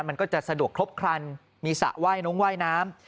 มันก็จะสะดวกครบครันมีสระว่ายน้องว่ายน้ำ